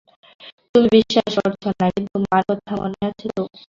তুমি বিশ্বাস করছ না, কিন্তু মার কথা মনে আছে তো?